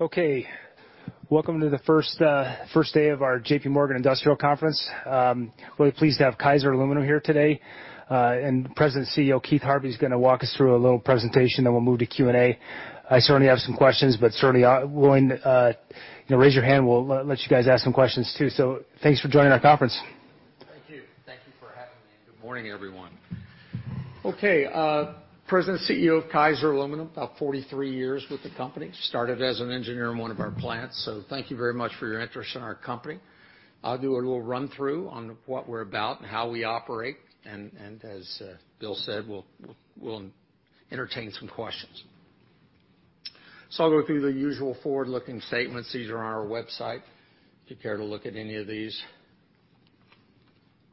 Okay. Welcome to the first day of our JP Morgan Industrial Conference. We're pleased to have Kaiser Aluminum here today. President CEO Keith Harvey is gonna walk us through a little presentation, then we'll move to Q&A. I certainly have some questions, but certainly, willing to, you know, raise your hand. We'll let you guys ask some questions too. Thanks for joining our conference. Thank you. Thank you for having me. Good morning, everyone. Okay, President, CEO of Kaiser Aluminum, about 43 years with the company. Started as an engineer in one of our plants. Thank you very much for your interest in our company. I'll do a little run-through on what we're about and how we operate, and as Bill said, we'll entertain some questions. I'll go through the usual forward-looking statements. These are on our website if you care to look at any of these.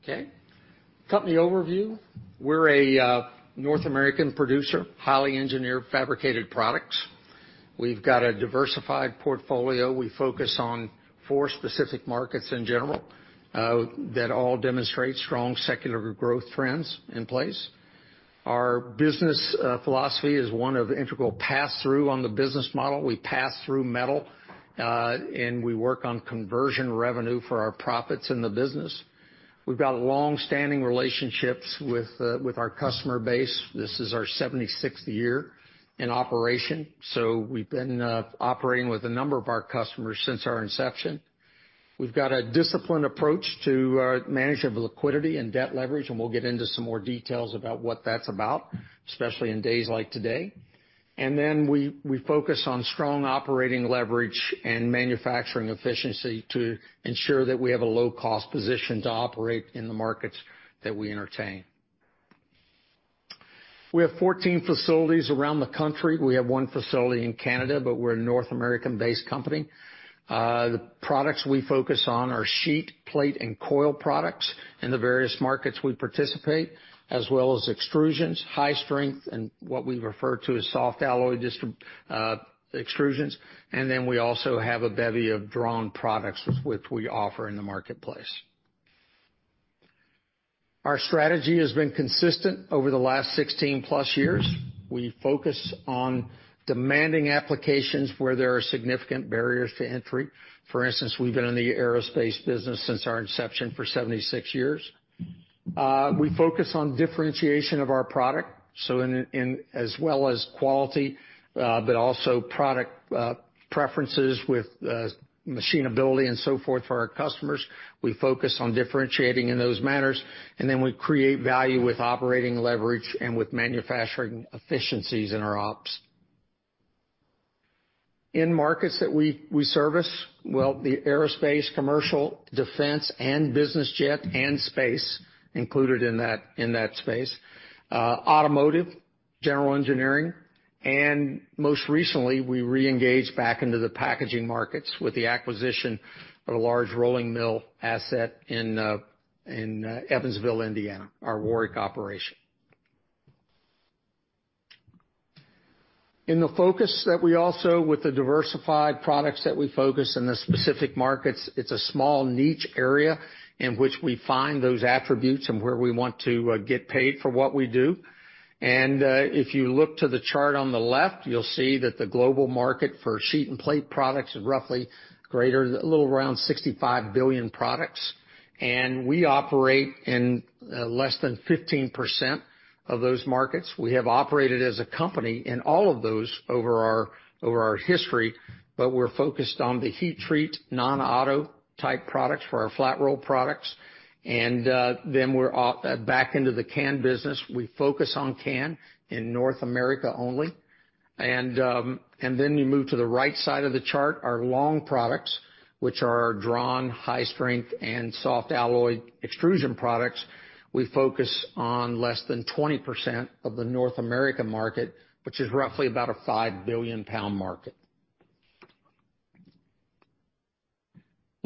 Okay. Company overview. We're a North American producer, highly engineered fabricated products. We've got a diversified portfolio. We focus on four specific markets in general that all demonstrate strong secular growth trends in place. Our business philosophy is one of integral passthrough on the business model. We pass through metal, and we work on Conversion Revenue for our profits in the business. We've got longstanding relationships with our customer base. This is our 76th year in operation, so we've been operating with a number of our customers since our inception. We've got a disciplined approach to management of liquidity and debt leverage, and we'll get into some more details about what that's about, especially in days like today. Then we focus on strong operating leverage and manufacturing efficiency to ensure that we have a low cost position to operate in the markets that we entertain. We have 14 facilities around the country. We have one facility in Canada, but we're a North American-based company. The products we focus on are sheet, plate, and coil products in the various markets we participate, as well as extrusions, high strength, and what we refer to as soft alloy extrusions. We also have a bevy of drawn products which we offer in the marketplace. Our strategy has been consistent over the last 16+ years. We focus on demanding applications where there are significant barriers to entry. For instance, we've been in the aerospace business since our inception for 76 years. We focus on differentiation of our product, so as well as quality, but also product preferences with machinability and so forth for our customers. We focus on differentiating in those manners, we create value with operating leverage and with manufacturing efficiencies in our ops. In markets that we service, well, the aerospace, commercial, defense, and business jet and space included in that, in that space, automotive, general engineering, and most recently, we reengaged back into the packaging markets with the acquisition of a large rolling mill asset in Evansville, Indiana, our Warrick operation. In the focus that we also, with the diversified products that we focus in the specific markets, it's a small niche area in which we find those attributes and where we want to get paid for what we do. If you look to the chart on the left, you'll see that the global market for sheet and plate products is roughly greater, a little around 65 billion products. We operate in less than 15% of those markets. We have operated as a company in all of those over our, over our history, but we're focused on the heat treat non-auto type products for our flat roll products. Then we're back into the can business. We focus on can in North America only. Then you move to the right side of the chart, our long products, which are our drawn high strength and soft alloy extrusion products. We focus on less than 20% of the North America market, which is roughly about a 5 billion pound market.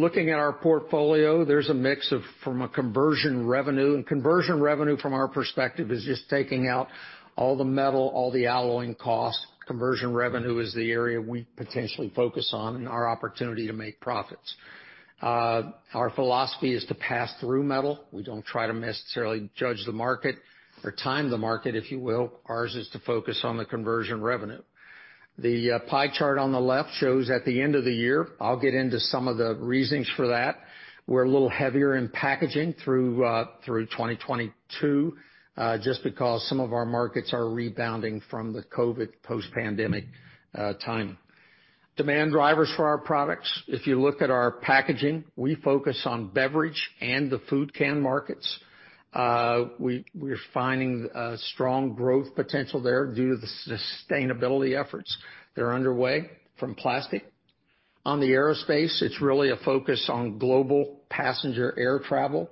Looking at our portfolio, there's a mix of from a Conversion Revenue. Conversion Revenue from our perspective is just taking out all the metal, all the alloying costs. Conversion Revenue is the area we potentially focus on and our opportunity to make profits. Our philosophy is to pass through metal. We don't try to necessarily judge the market or time the market, if you will. Ours is to focus on the Conversion Revenue. The pie chart on the left shows at the end of the year, I'll get into some of the reasons for that. We're a little heavier in packaging through through 2022 just because some of our markets are rebounding from the COVID post-pandemic timing. Demand drivers for our products. If you look at our packaging, we focus on beverage and the food can markets. we're finding a strong growth potential there due to the sustainability efforts that are underway from plastic. On the aerospace, it's really a focus on global passenger air travel.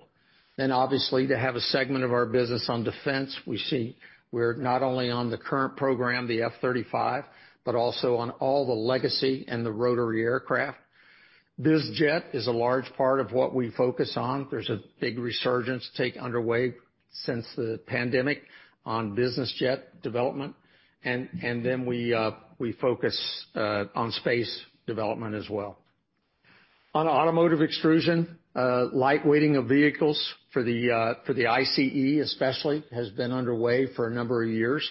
Obviously, to have a segment of our business on defense, we see we're not only on the current program, the F-35, but also on all the legacy and the rotary aircraft. This jet is a large part of what we focus on. There's a big resurgence take underway since the pandemic on business jet development, and then we focus on space development as well. On automotive extrusion, light weighting of vehicles for the ICE especially, has been underway for a number of years.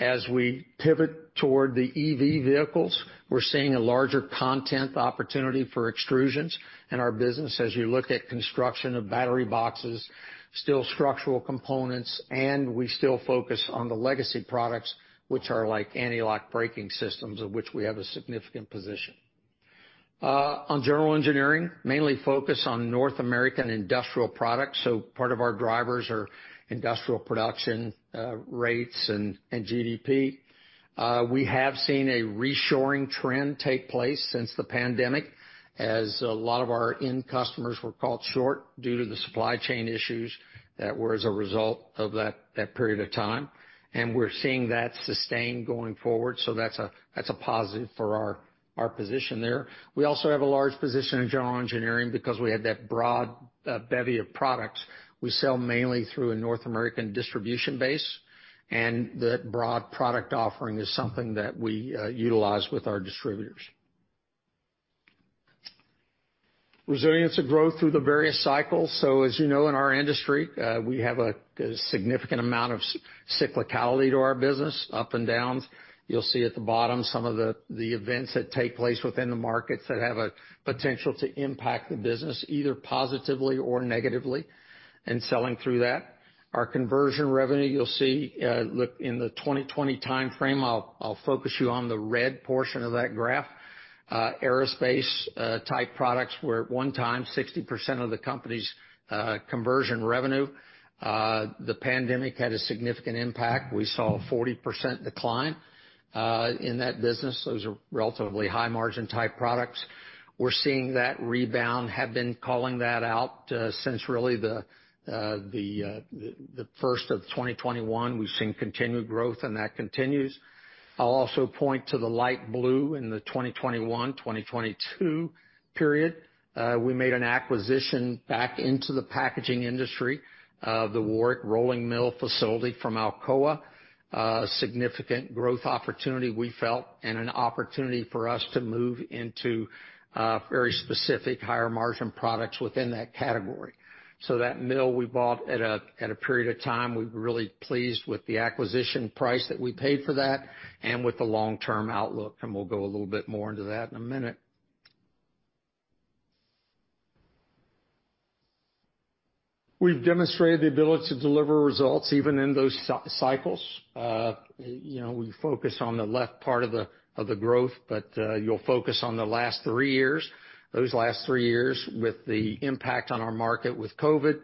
As we pivot toward the EV vehicles, we're seeing a larger content opportunity for extrusions in our business as you look at construction of battery boxes, still structural components, and we still focus on the legacy products, which are like anti-lock braking systems, of which we have a significant position. On general engineering, mainly focus on North American industrial products. Part of our drivers are Industrial Production rates and GDP. We have seen a reshoring trend take place since the pandemic, as a lot of our end customers were caught short due to the supply chain issues that were as a result of that period of time, and we're seeing that sustained going forward, that's a positive for our position there. We also have a large position in general engineering because we have that broad bevy of products. We sell mainly through a North American distribution base, and that broad product offering is something that we utilize with our distributors. Resilience and growth through the various cycles. As you know, in our industry, we have a significant amount of cyclicality to our business, up and downs. You'll see at the bottom some of the events that take place within the markets that have a potential to impact the business, either positively or negatively. Selling through that. Our Conversion Revenue, you'll see, look in the 2020 timeframe. I'll focus you on the red portion of that graph. Aerospace type products were at one time 60% of the company's Conversion Revenue. The pandemic had a significant impact. We saw a 40% decline in that business. Those are relatively high margin type products. We're seeing that rebound, have been calling that out since really the first of 2021. We've seen continued growth, and that continues. I'll also point to the light blue in the 2021/2022 period. We made an acquisition back into the packaging industry of the Warrick Rolling Mill facility from Alcoa. Significant growth opportunity, we felt, and an opportunity for us to move into very specific higher-margin products within that category. That mill we bought at a period of time, we were really pleased with the acquisition price that we paid for that and with the long-term outlook, and we'll go a little bit more into that in a minute. We've demonstrated the ability to deliver results even in those cycles. You know, we focus on the left part of the growth, but you'll focus on the last three years. Those last three years, with the impact on our market with COVID,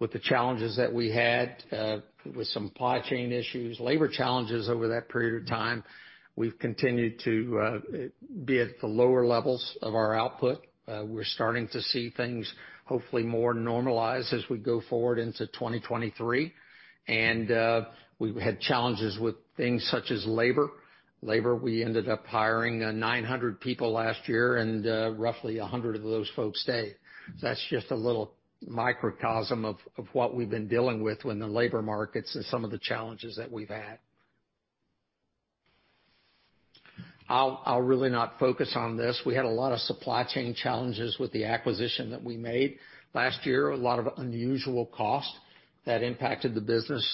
with the challenges that we had, with some supply chain issues, labor challenges over that period of time, we've continued to be at the lower levels of our output. We're starting to see things hopefully more normalized as we go forward into 2023. We had challenges with things such as labor. Labor, we ended up hiring 900 people last year, and roughly 100 of those folks stayed. That's just a little microcosm of what we've been dealing with when the labor markets and some of the challenges that we've had. I'll really not focus on this. We had a lot of supply chain challenges with the acquisition that we made last year. A lot of unusual costs that impacted the business.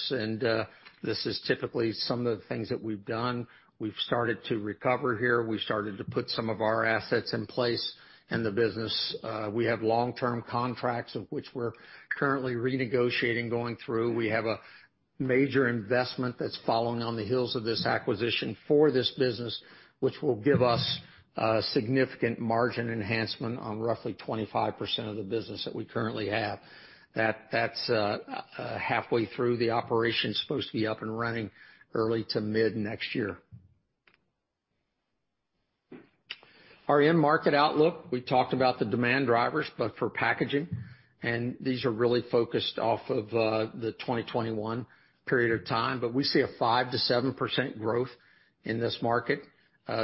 This is typically some of the things that we've done. We've started to recover here. We started to put some of our assets in place in the business. We have long-term contracts of which we're currently renegotiating going through. We have a major investment that's following on the heels of this acquisition for this business, which will give us significant margin enhancement on roughly 25% of the business that we currently have. That's halfway through. The operation's supposed to be up and running early to mid next year. Our end market outlook, we talked about the demand drivers, but for packaging, and these are really focused off of the 2021 period of time. We see a 5%-7% growth in this market.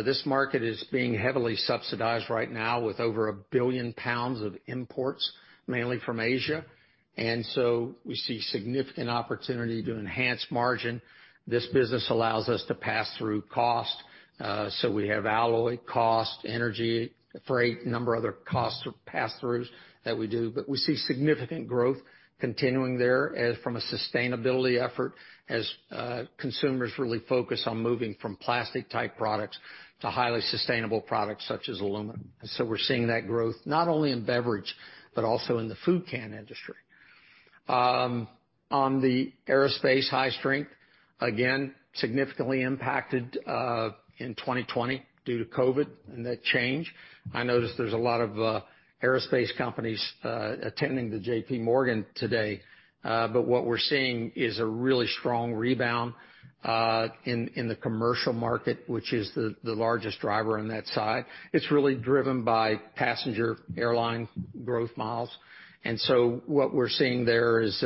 This market is being heavily subsidized right now with over 1 billion pounds of imports, mainly from Asia. We see significant opportunity to enhance margin. This business allows us to pass through cost. So we have alloy cost, energy, freight, a number of other costs or pass-throughs that we do. We see significant growth continuing there as from a sustainability effort, as consumers really focus on moving from plastic-type products to highly sustainable products such as aluminum. We're seeing that growth not only in beverage, but also in the food can industry. On the aerospace high strength, again, significantly impacted in 2020 due to COVID and that change. I noticed there's a lot of aerospace companies attending the JPMorgan today. What we're seeing is a really strong rebound, in the commercial market, which is the largest driver on that side. It's really driven by passenger airline growth miles. What we're seeing there is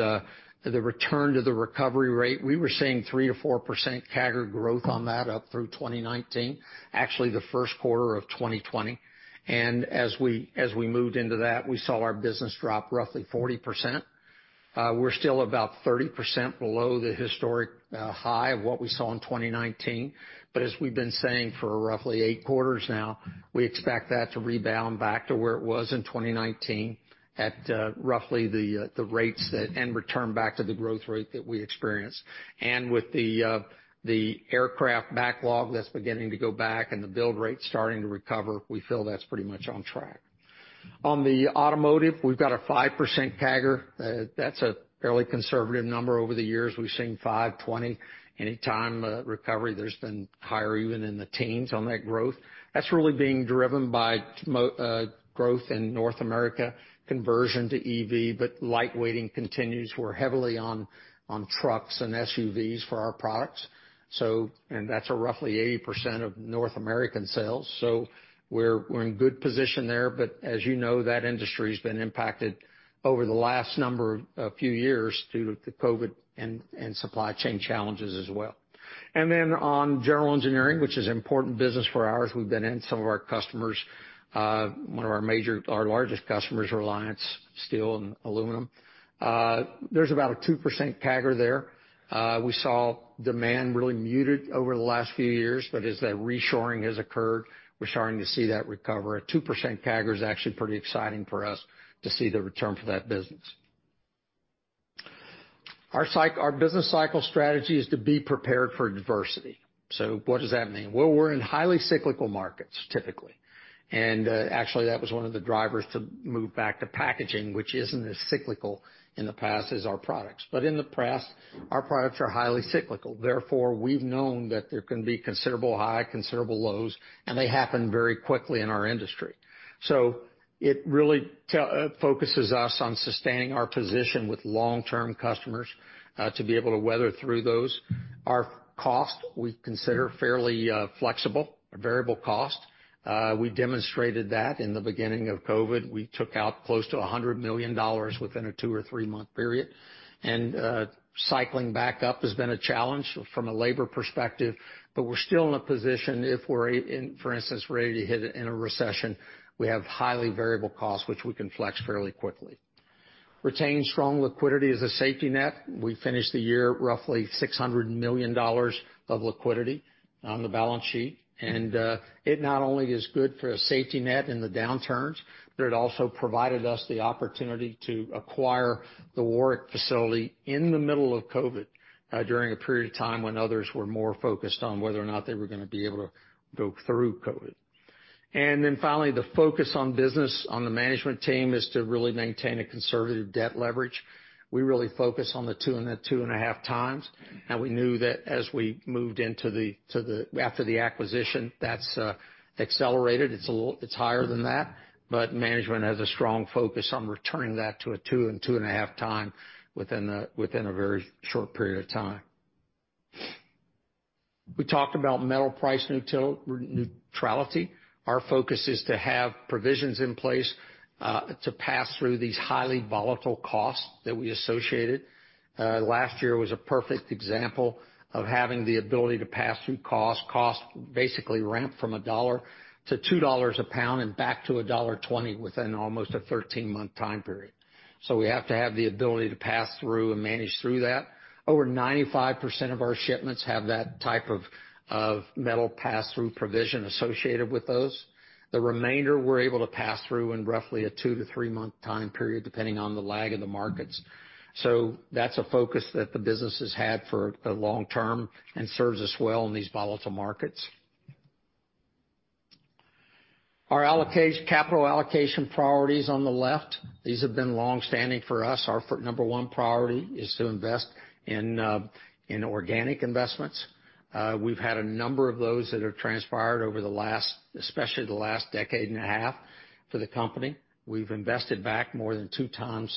the return to the recovery rate. We were seeing 3%-4% CAGR growth on that up through 2019, actually the first quarter of 2020. As we moved into that, we saw our business drop roughly 40%. We're still about 30% below the historic high of what we saw in 2019. As we've been saying for roughly eight quarters now, we expect that to rebound back to where it was in 2019 at roughly the rates that, and return back to the growth rate that we experienced. With the aircraft backlog that's beginning to go back and the build rate starting to recover, we feel that's pretty much on track. On the automotive, we've got a 5% CAGR. That's a fairly conservative number over the years. We've seen 5%-20% anytime a recovery that's been higher even in the teens on that growth. That's really being driven by growth in North America, conversion to EV, but light weighting continues. We're heavily on trucks and SUVs for our products. That's roughly 80% of North American sales. We're in good position there, but as you know, that industry's been impacted over the last number of few years due to the COVID and supply chain challenges as well. Then on General Engineering, which is important business for ours, we've been in some of our customers', one of our major, our largest customers, Reliance Steel & Aluminum Co. There's about a 2% CAGR there. We saw demand really muted over the last few years, but as that reshoring has occurred, we're starting to see that recover. A 2% CAGR is actually pretty exciting for us to see the return for that business. Our business cycle strategy is to be prepared for adversity. What does that mean? Well, we're in highly cyclical markets, typically. Actually that was one of the drivers to move back to packaging, which isn't as cyclical in the past as our products. In the past, our products are highly cyclical. We've known that there can be considerable high, considerable lows, and they happen very quickly in our industry. It really focuses us on sustaining our position with long-term customers to be able to weather through those. Our costs, we consider fairly flexible, variable cost. We demonstrated that in the beginning of COVID. We took out close to $100 million within a two or three-month period. Cycling back up has been a challenge from a labor perspective, but we're still in a position if for instance, we're ready to hit in a recession, we have highly variable costs which we can flex fairly quickly. Retain strong liquidity as a safety net. We finished the year roughly $600 million of liquidity on the balance sheet. It not only is good for a safety net in the downturns, but it also provided us the opportunity to acquire the Warrick facility in the middle of COVID, during a period of time when others were more focused on whether or not they were gonna be able to go through COVID. Finally, the focus on business on the management team is to really maintain a conservative debt leverage. We really focus on the 2 and 2.5x. We knew that as we moved after the acquisition, that's accelerated. It's higher than that. Management has a strong focus on returning that to a 2 and 2.5x within a very short period of time. We talked about metal price neutrality. Our focus is to have provisions in place to pass through these highly volatile costs that we associated. Last year was a perfect example of having the ability to pass through costs. Costs basically ramped from $1-$2 a pound and back to $1.20 within almost a 13-month time period. We have to have the ability to pass through and manage through that. Over 95% of our shipments have that type of metal pass-through provision associated with those. The remainder we're able to pass through in roughly a two to three month time period, depending on the lag in the markets. That's a focus that the business has had for the long term and serves us well in these volatile markets. Our capital allocation priorities on the left, these have been longstanding for us. Our number one priority is to invest in organic investments. We've had a number of those that have transpired over the last, especially the last decade and a half for the company. We've invested back more than 2x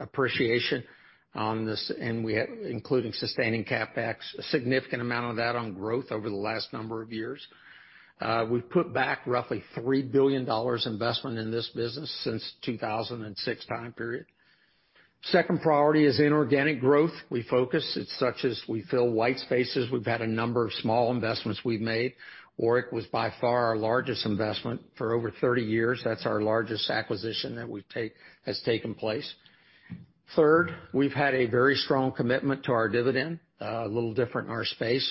appreciation on this, and we have including sustaining CapEx, a significant amount of that on growth over the last number of years. We've put back roughly $3 billion investment in this business since 2006 time period. Second priority is inorganic growth. We focus, it's such as we fill white spaces. We've had a number of small investments we've made, or it was by far our largest investment for over 30 years. That's our largest acquisition that has taken place. Third, we've had a very strong commitment to our dividend, a little different in our space,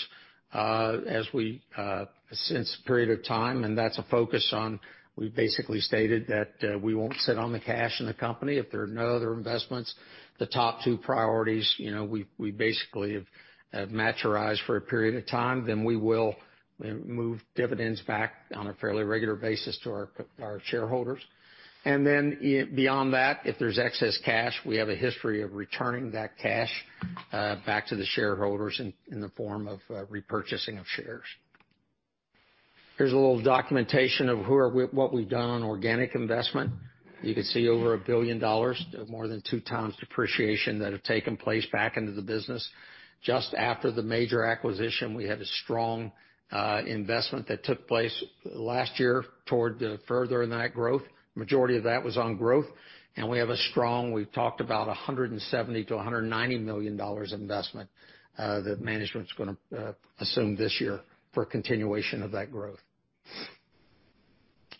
as we since a period of time, and that's a focus on we basically stated that we won't sit on the cash in the company if there are no other investments. The top two priorities, you know, we basically have maturized for a period of time. We will move dividends back on a fairly regular basis to our shareholders. Beyond that, if there's excess cash, we have a history of returning that cash back to the shareholders in the form of repurchasing of shares. Here's a little documentation of what we've done on organic investment. You can see over $1 billion, more than 2x depreciation that have taken place back into the business. Just after the major acquisition, we had a strong investment that took place last year toward the furthering that growth. Majority of that was on growth. We have a strong, we've talked about a $170 million-$190 million investment that management's gonna assume this year for continuation of that growth.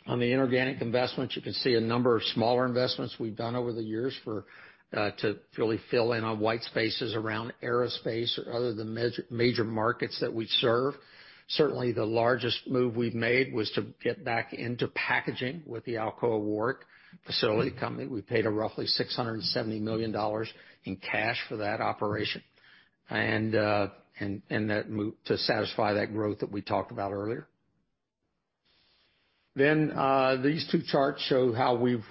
On the inorganic investments, you can see a number of smaller investments we've done over the years for to really fill in on white spaces around aerospace or other than major markets that we serve. Certainly, the largest move we've made was to get back into packaging with the Alcoa Warrick facility company. We paid a roughly $670 million in cash for that operation., and that to satisfy that growth that we talked about earlier. These two charts show how we've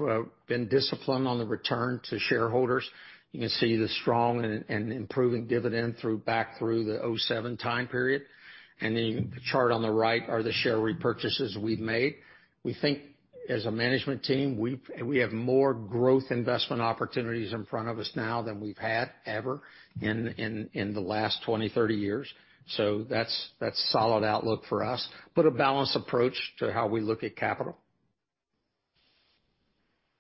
been disciplined on the return to shareholders. You can see the strong and improving dividend back through the 2007 time period. The chart on the right are the share repurchases we've made. We think, as a management team, we have more growth investment opportunities in front of us now than we've had ever in the last 20, 30 years. That's solid outlook for us, but a balanced approach to how we look at capital.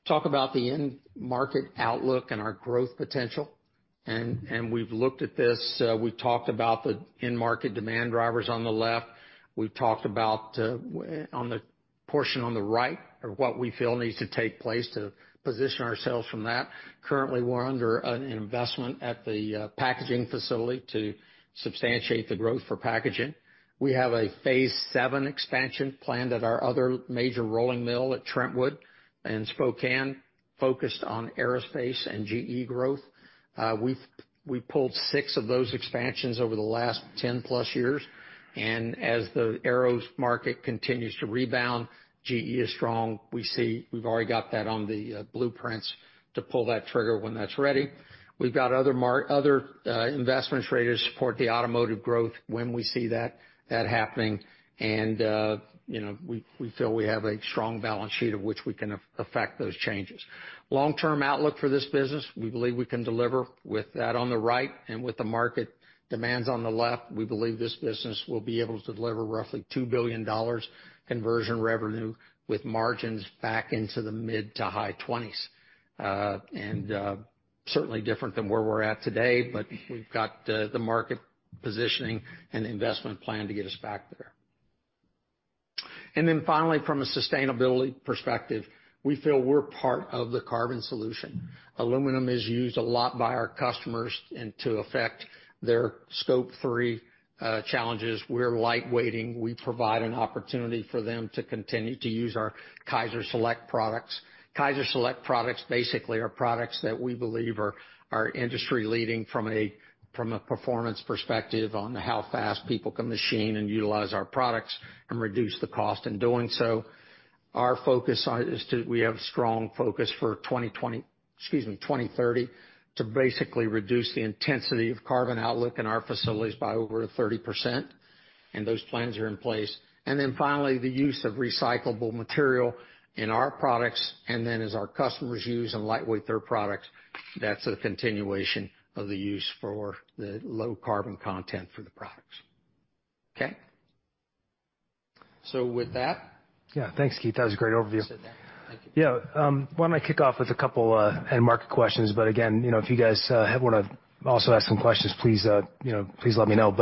Talk about the end market outlook and our growth potential, and we've looked at this, we've talked about the end market demand drivers on the left. We've talked about on the portion on the right of what we feel needs to take place to position ourselves from that. Currently, we're under an investment at the packaging facility to substantiate the growth for packaging. We have a phase seven expansion planned at our other major rolling mill at Trentwood in Spokane, focused on aerospace and GE growth. We've pulled six of those expansions over the last 10+ years, as the aeros market continues to rebound, GE is strong. We see we've already got that on the blueprints to pull that trigger when that's ready. We've got other investments ready to support the automotive growth when we see that happening. you know, we feel we have a strong balance sheet of which we can affect those changes. Long-term outlook for this business, we believe we can deliver with that on the right and with the market demands on the left, we believe this business will be able to deliver roughly $2 billion Conversion Revenue with margins back into the mid-to-high 20s%. Certainly different than where we're at today, but we've got the market positioning and investment plan to get us back there. Finally, from a sustainability perspective, we feel we're part of the carbon solution. Aluminum is used a lot by our customers, and to affect their Scope 3 challenges, we're light weighting. We provide an opportunity for them to continue to use our Kaiser Select products. Kaiser Select products basically are products that we believe are industry-leading from a performance perspective on how fast people can machine and utilize our products and reduce the cost in doing so. Our focus on it we have strong focus for Excuse me, 2030 to basically reduce the intensity of carbon outlook in our facilities by over 30%. Those plans are in place. Finally, the use of recyclable material in our products, as our customers use and lightweight their products, that's a continuation of the use for the low carbon content for the products. Okay. With that. Yeah. Thanks, Keith. That was a great overview. Sit down. Thank you. Yeah, why don't I kick off with a couple end market questions, but again, you know, if you guys wanna also ask some questions, please, you know, please let me know.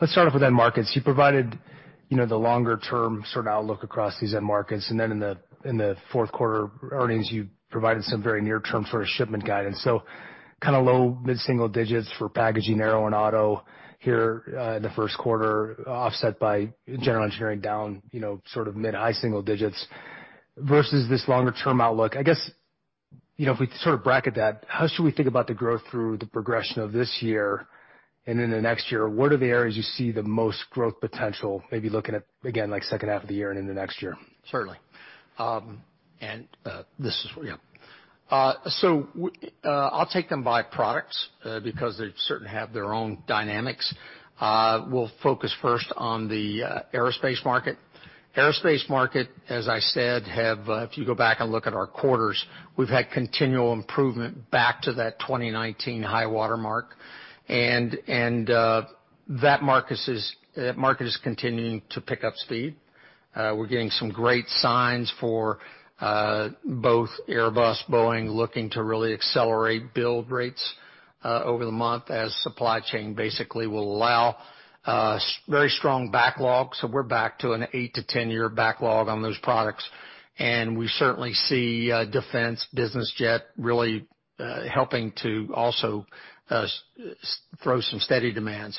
Let's start off with end markets. You provided, you know, the longer-term sort of outlook across these end markets, and then in the, in the fourth quarter earnings, you provided some very near-term sort of shipment guidance. Kinda low mid-single digits for packaging, aero, and auto here in the first quarter, offset by general engineering down, you know, sort of mid high single digits versus this longer-term outlook. I guess, you know, if we sort of bracket that, how should we think about the growth through the progression of this year and in the next year? What are the areas you see the most growth potential, maybe looking at again, like, second half of the year and into next year? Certainly. I'll take them by products because they certainly have their own dynamics. We'll focus first on the aerospace market. Aerospace market, as I said, have, if you go back and look at our quarters, we've had continual improvement back to that 2019 high water mark. That market is continuing to pick up speed. We're getting some great signs for both Airbus, Boeing looking to really accelerate build rates over the month as supply chain basically will allow a very strong backlog. We're back to an 8-10 year backlog on those products, and we certainly see defense, business jet really helping to also throw some steady demand.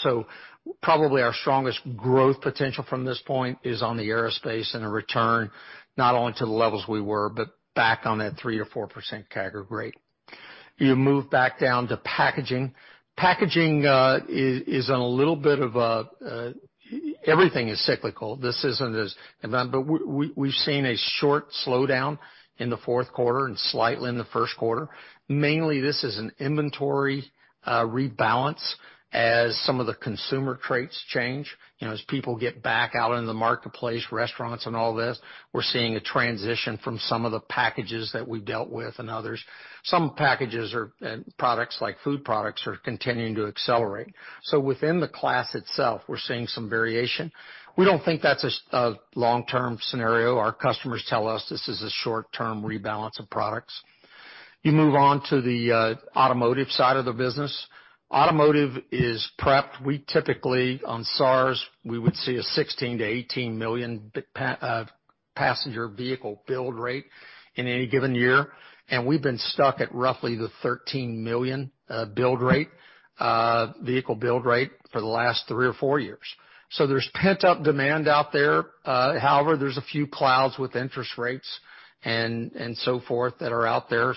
Probably our strongest growth potential from this point is on the aerospace and a return not only to the levels we were, but back on that 3% or 4% CAGR rate. You move back down to packaging. Packaging is on a little bit of a. Everything is cyclical. This isn't as. We've seen a short slowdown in the fourth quarter and slightly in the first quarter. Mainly, this is an inventory rebalance as some of the consumer traits change. You know, as people get back out in the marketplace, restaurants, and all this, we're seeing a transition from some of the packages that we dealt with and others. Some packages or products like food products are continuing to accelerate. Within the class itself, we're seeing some variation. We don't think that's a long-term scenario. Our customers tell us this is a short-term rebalance of products. You move on to the automotive side of the business. Automotive is prepped. We typically, on SAAR, we would see a 16 to 18 million passenger vehicle build rate in any given year, and we've been stuck at roughly the 13 million build rate, vehicle build rate for the last three or four years. There's pent-up demand out there. However, there's a few clouds with interest rates and so forth that are out there.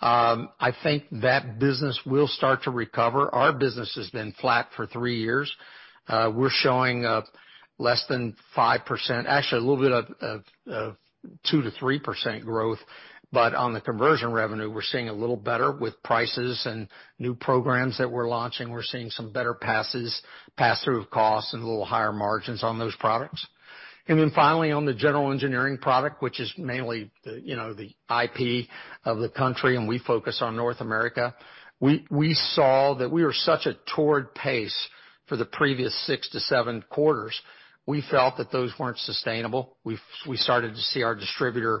I think that business will start to recover. Our business has been flat for three years. We're showing less than 5%. Actually, a little bit of 2%-3% growth. On the Conversion Revenue, we're seeing a little better with prices and new programs that we're launching. We're seeing some better passes, pass-through of costs and a little higher margins on those products. Finally, on the general engineering product, which is mainly the, you know, the IP of the country, and we focus on North America. We saw that we were such a torrid pace for the previous six to seven quarters, we felt that those weren't sustainable. We started to see our distributor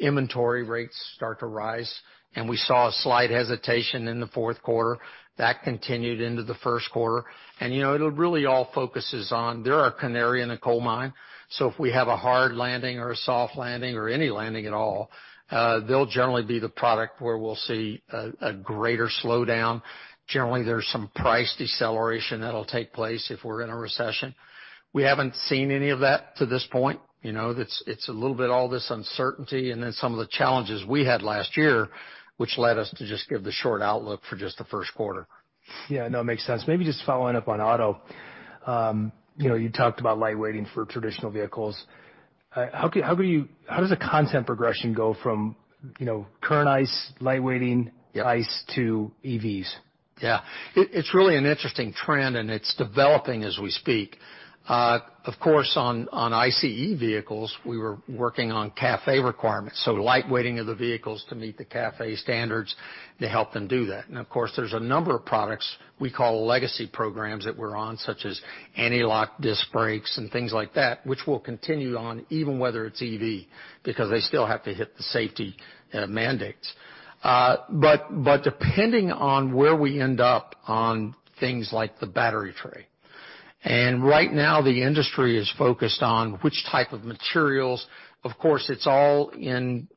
inventory rates start to rise, and we saw a slight hesitation in the fourth quarter. That continued into the first quarter. You know, it really all focuses on they're our canary in a coal mine, so if we have a hard landing or a soft landing or any landing at all, they'll generally be the product where we'll see a greater slowdown. Generally, there's some price deceleration that'll take place if we're in a recession. We haven't seen any of that to this point. You know, it's a little bit all this uncertainty and then some of the challenges we had last year, which led us to just give the short outlook for just the first quarter. Yeah. No, it makes sense. Maybe just following up on auto. you know, you talked about lightweighting for traditional vehicles. How does the content progression go from, you know, current ICE lightweighting ICE to EVs? It's really an interesting trend. It's developing as we speak. Of course, on ICE vehicles, we were working on CAFE requirements, lightweighting of the vehicles to meet the CAFE standards to help them do that. Of course, there's a number of products we call legacy programs that we're on, such as anti-lock disc brakes and things like that, which we'll continue on even whether it's EV, because they still have to hit the safety mandates. Depending on where we end up on things like the battery tray. Right now, the industry is focused on which type of materials. Of course, it's all in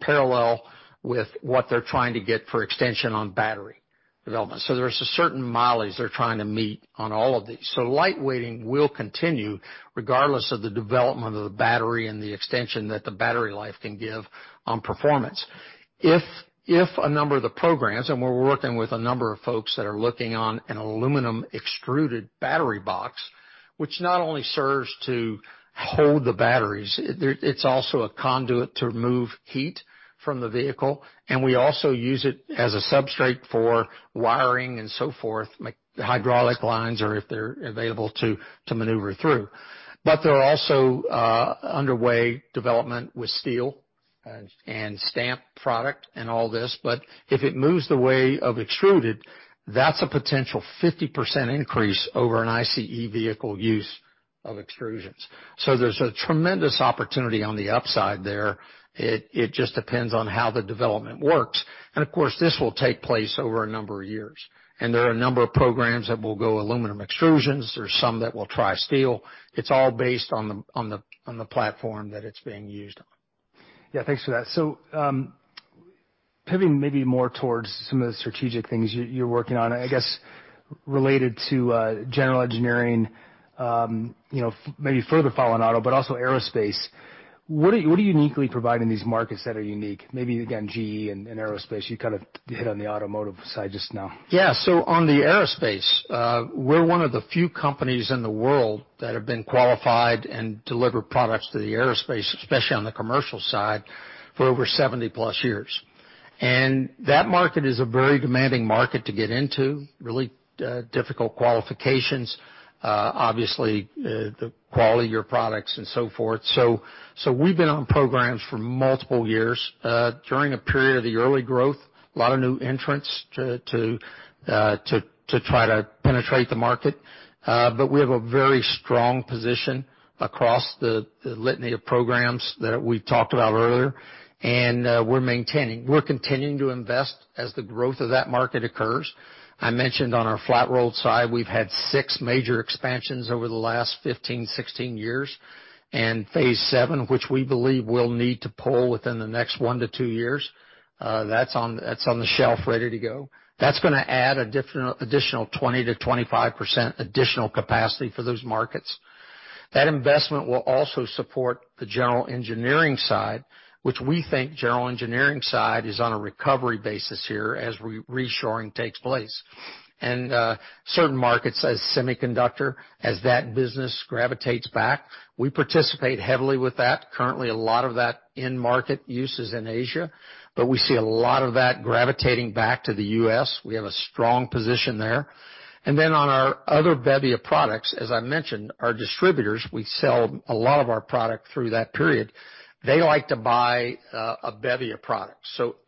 parallel with what they're trying to get for extension on battery development. There's a certain mileage they're trying to meet on all of these. Lightweighting will continue regardless of the development of the battery and the extension that the battery life can give on performance. If a number of the programs, and we're working with a number of folks that are looking on an aluminum extruded battery box, which not only serves to hold the batteries, it's also a conduit to remove heat from the vehicle, and we also use it as a substrate for wiring and so forth, like hydraulic lines or if they're available to maneuver through. There are also underway development with steel and stamp product and all this. If it moves the way of extruded, that's a potential 50% increase over an ICE vehicle use of extrusions. There's a tremendous opportunity on the upside there. It just depends on how the development works. Of course, this will take place over a number of years. There are a number of programs that will go aluminum extrusions. There's some that will try steel. It's all based on the platform that it's being used on. Yeah, thanks for that. Pivoting maybe more towards some of the strategic things you're working on, I guess related to, general engineering, you know, maybe further following auto, but also aerospace. What are you uniquely providing these markets that are unique? Maybe again, GE and aerospace, you kind of hit on the automotive side just now. Yeah. On the aerospace, we're one of the few companies in the world that have been qualified and deliver products to the aerospace, especially on the commercial side, for over 70+ years. That market is a very demanding market to get into, really, difficult qualifications, obviously, the quality of your products and so forth. We've been on programs for multiple years, during a period of the early growth, a lot of new entrants to try to penetrate the market, we have a very strong position across the litany of programs that we've talked about earlier, we're maintaining. We're continuing to invest as the growth of that market occurs. I mentioned on our flat roll side, we've had six major expansions over the last 15, 16 years. Phase 7, which we believe we'll need to pull within the next one to two years, that's on the shelf ready to go. That's going to add additional 20%-25% additional capacity for those markets. That investment will also support the general engineering side, which we think general engineering side is on a recovery basis here as reshoring takes place. Certain markets, as semiconductor, as that business gravitates back, we participate heavily with that. Currently, a lot of that end market use is in Asia, but we see a lot of that gravitating back to the U.S. We have a strong position there. On our other beverage products, as I mentioned, our distributors, we sell a lot of our product through that period. They like to buy a beverage product.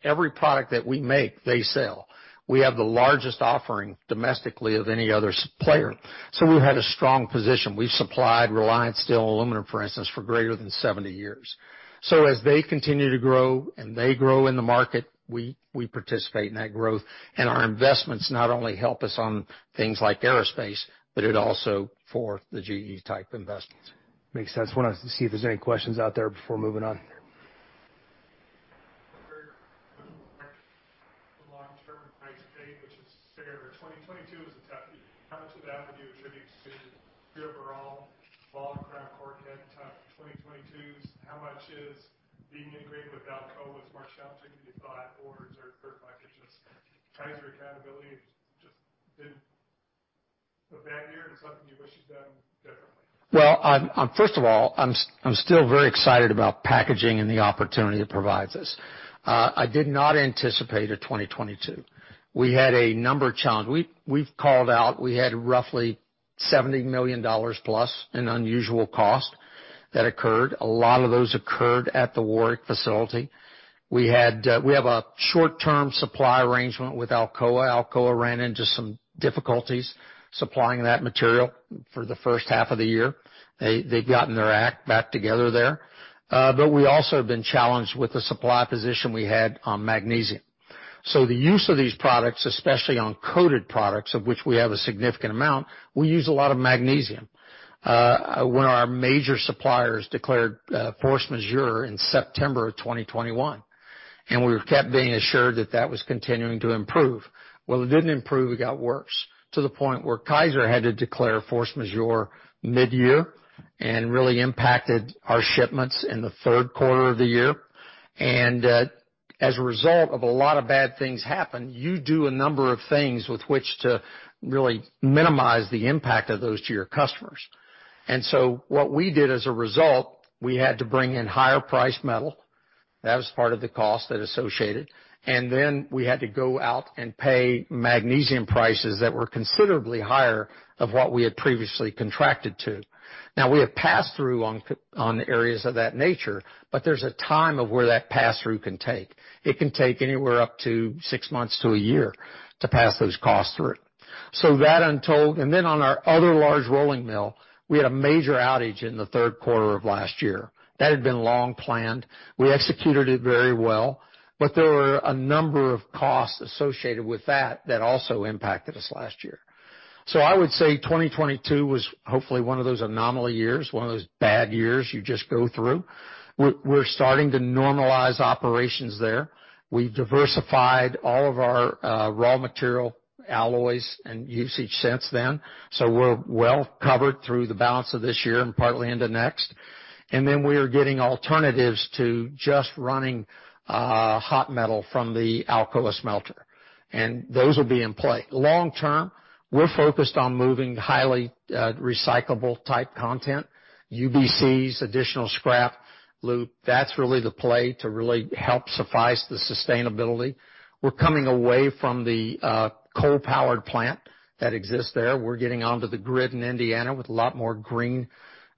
Every product that we make, they sell. We have the largest offering domestically of any other player, so we had a strong position. We've supplied Reliance Steel & Aluminum, for instance, for greater than 70 years. As they continue to grow, and they grow in the market, we participate in that growth. Our investments not only help us on things like aerospace, but it also for the GE type investments. Makes sense. Wanted to see if there's any questions out there before moving on. Greg, the long-term price tag, which is figure 2022 is a tough year. How much of that would you attribute to the overall volume Crown Cork head ton of 2022? How much is being integrated with Alcoa as much challenging than you thought, or is there 50% Kaiser accountability just been a bad year and something you wish you'd done differently? Well, first of all, I'm still very excited about packaging and the opportunity it provides us. I did not anticipate a 2022. We had a number of challenges. We've called out, we had roughly $70 million+ in unusual costs that occurred. A lot of those occurred at the Warrick facility. We have a short-term supply arrangement with Alcoa. Alcoa ran into some difficulties supplying that material for the first half of the year. They've gotten their act back together there. We also have been challenged with the supply position we had on magnesium. The use of these products, especially on coated products, of which we have a significant amount, we use a lot of magnesium. One of our major suppliers declared force majeure in September of 2021, and we kept being assured that that was continuing to improve. Well, it didn't improve. It got worse to the point where Kaiser had to declare force majeure mid-year and really impacted our shipments in the third quarter of the year. As a result of a lot of bad things happen, you do a number of things with which to really minimize the impact of those to your customers. What we did as a result, we had to bring in higher-priced metal. That was part of the cost that associated. We had to go out and pay magnesium prices that were considerably higher of what we had previously contracted to. We have passed through on on areas of that nature, but there's a time of where that pass-through can take. It can take anywhere up to six months to one year to pass those costs through. That untold. Then on our other large rolling mill, we had a major outage in the 3rd quarter of last year. That had been long planned. We executed it very well, but there were a number of costs associated with that also impacted us last year. I would say 2022 was hopefully one of those anomaly years, one of those bad years you just go through. We're starting to normalize operations there. We've diversified all of our raw material alloys and usage since then. We're well covered through the balance of this year and partly into next. We are getting alternatives to just running hot metal from the Alcoa smelter, and those will be in play. Long term, we're focused on moving highly recyclable type content, UBCs, additional scrap loop. That's really the play to really help suffice the sustainability. We're coming away from the coal-powered plant that exists there. We're getting onto the grid in Indiana with a lot more green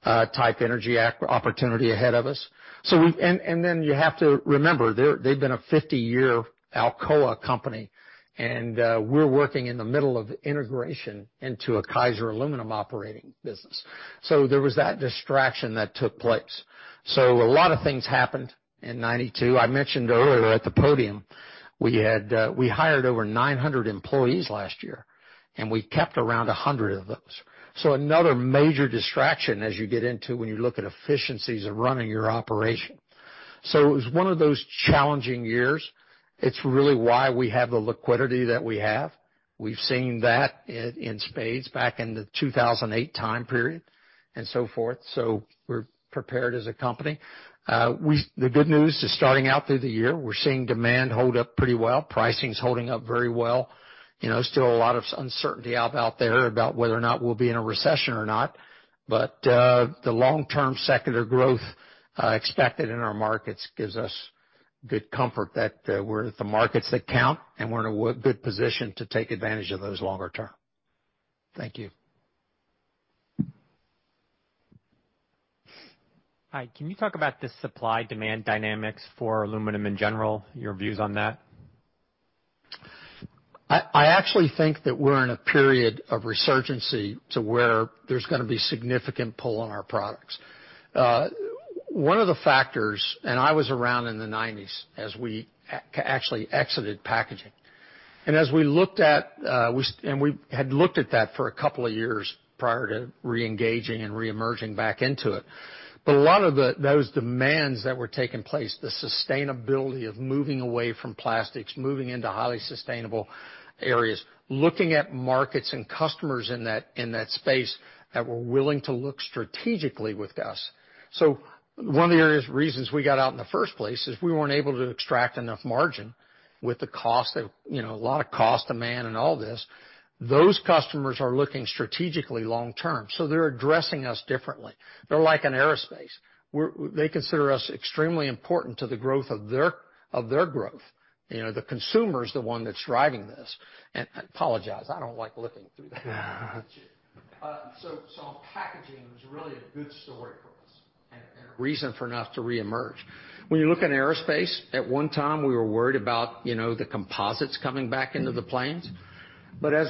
type energy opportunity ahead of us. You have to remember, they've been a 50-year Alcoa company, and we're working in the middle of integration into a Kaiser Aluminum operating business. There was that distraction that took place. A lot of things happened in 1992. I mentioned earlier at the podium we had, we hired over 900 employees last year, and we kept around 100 of those. Another major distraction as you get into when you look at efficiencies of running your operation. It was one of those challenging years. It's really why we have the liquidity that we have. We've seen that in spades back in the 2008 time period and so forth. We're prepared as a company. The good news is starting out through the year, we're seeing demand hold up pretty well. Pricing's holding up very well. You know, still a lot of uncertainty out there about whether or not we'll be in a recession or not, but the long-term secular growth expected in our markets gives us good comfort that we're at the markets that count, and we're in a good position to take advantage of those longer term. Thank you. Hi. Can you talk about the supply-demand dynamics for aluminum in general, your views on that? I actually think that we're in a period of resurgence to where there's gonna be significant pull on our products. One of the factors, I was around in the '90s as we actually exited packaging. As we looked at, we had looked at that for couple of years prior to reengaging and reemerging back into it. A lot of those demands that were taking place, the sustainability of moving away from plastics, moving into highly sustainable areas, looking at markets and customers in that space that were willing to look strategically with us. One of the reasons we got out in the first place is we weren't able to extract enough margin with the cost of, you know, a lot of cost demand and all this. Those customers are looking strategically long term, so they're addressing us differently. They're like an aerospace. They consider us extremely important to the growth of their, of their growth. You know, the consumer's the one that's driving this. I apologize, I don't like looking through that. Packaging was really a good story for us and a reason for enough to reemerge. When you look at aerospace, at one time, we were worried about, you know, the composites coming back into the planes. As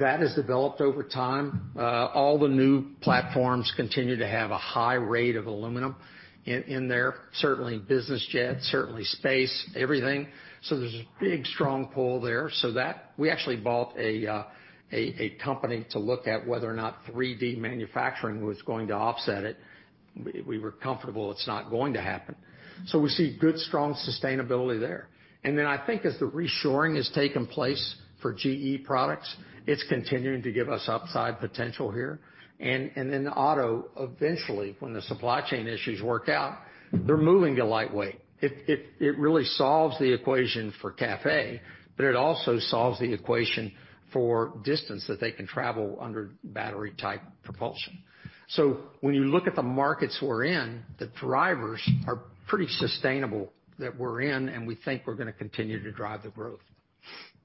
that has developed over time, all the new platforms continue to have a high rate of aluminum in there, certainly business jets, certainly space, everything. There's a big strong pull there. We actually bought a company to look at whether or not 3D manufacturing was going to offset it. We were comfortable it's not going to happen. We see good, strong sustainability there. I think as the reshoring has taken place for GE products, it's continuing to give us upside potential here. Auto, eventually, when the supply chain issues work out, they're moving to lightweight. It really solves the equation for CAFE, but it also solves the equation for distance that they can travel under battery-type propulsion. When you look at the markets we're in, the drivers are pretty sustainable that we're in, and we think we're gonna continue to drive the growth. On like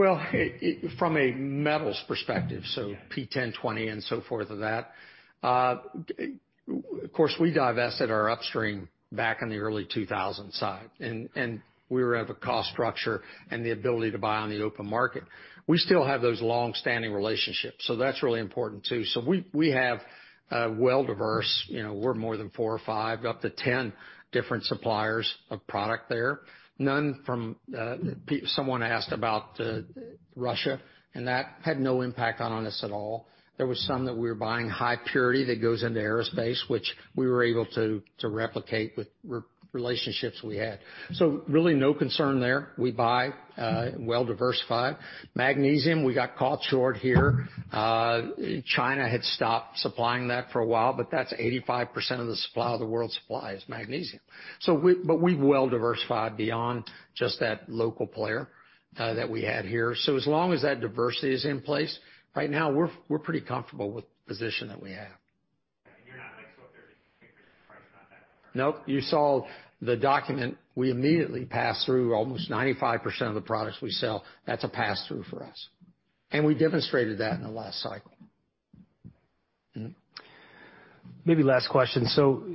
supply, like smelters aren't that profitable or, you know, there's concerns about sort of starting to get where China, you know, what are they gonna do? Are they gonna cap their production? I'm just curious also about your views on that. Well, from a metals perspective, so P1020 and so forth of that, of course, we divested our upstream back in the early 2000 side, and we were at a cost structure and the ability to buy on the open market. We still have those long-standing relationships, so that's really important too. We have, well-diverse. You know, we're more than four or five, up to 10 different suppliers of product there. None from, Someone asked about Russia, and that had no impact on us at all. There was some that we were buying high purity that goes into aerospace, which we were able to replicate with re-relationships we had. Really no concern there. We buy, well-diversified. Magnesium, we got caught short here. China had stopped supplying that for a while, but that's 85% of the world supply is magnesium. We've well diversified beyond just that local player that we had here. As long as that diversity is in place, right now, we're pretty comfortable with the position that we have. You're not exposed to a 30%, 50% price on that. Nope. You saw the document. We immediately pass through almost 95% of the products we sell. That's a pass-through for us. We demonstrated that in the last cycle. Maybe last question.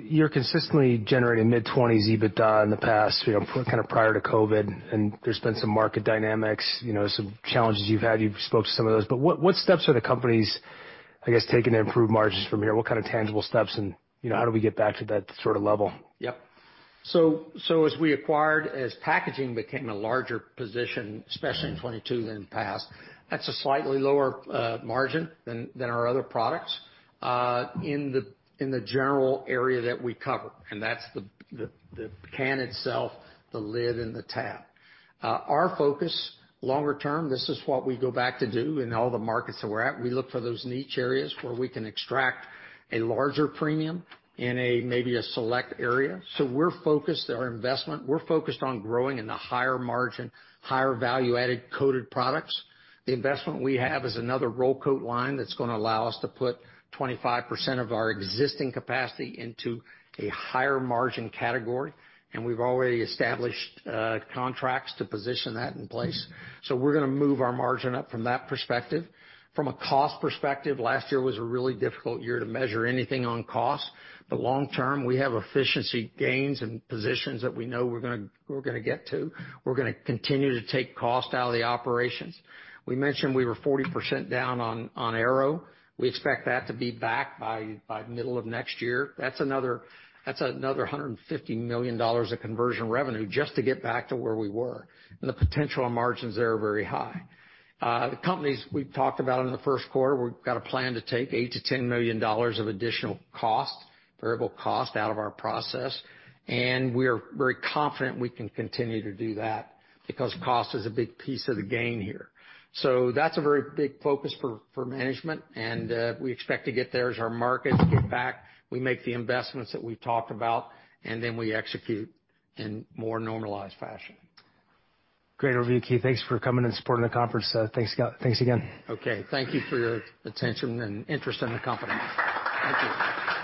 You're consistently generating mid-20s EBITDA in the past, you know, kind of prior to COVID, and there's been some market dynamics, you know, some challenges you've had. You've spoke to some of those. What steps are the companies, I guess, taking to improve margins from here? What kind of tangible steps and, you know, how do we get back to that sort of level? Yep. As packaging became a larger position, especially in 2022 than the past, that's a slightly lower margin than our other products in the general area that we cover, and that's the can itself, the lid and the tab. Our focus longer term, this is what we go back to do in all the markets that we're at, we look for those niche areas where we can extract a larger premium in a maybe a select area. Our investment, we're focused on growing in the higher margin, higher value-added coated products. The investment we have is another roll coat line that's gonna allow us to put 25% of our existing capacity into a higher margin category. We've already established contracts to position that in place. We're gonna move our margin up from that perspective. From a cost perspective, last year was a really difficult year to measure anything on cost. Long term, we have efficiency gains and positions that we know we're gonna get to. We're gonna continue to take cost out of the operations. We mentioned we were 40% down on aero. We expect that to be back by middle of next year. That's another $150 million of Conversion Revenue just to get back to where we were, and the potential margins there are very high. The companies we've talked about in the first quarter, we've got a plan to take $8 million-$10 million of additional cost, variable cost out of our process. We are very confident we can continue to do that because cost is a big piece of the gain here. That's a very big focus for management. We expect to get there as our markets get back. We make the investments that we've talked about. We execute in more normalized fashion. Great overview, Keith. Thanks for coming and supporting the conference. Thanks again. Okay. Thank you for your attention and interest in the company. Thank you.